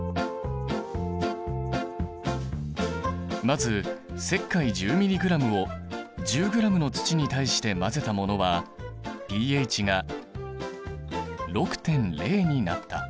まず石灰１０ｍｇを１０ｇの土に対して混ぜたものはｐＨが６．０になった。